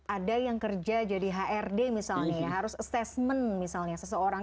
ada yang kerja jadi hrd misalnya ya harus assessment misalnya seseorang